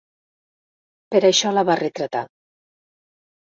Per això la va retratar.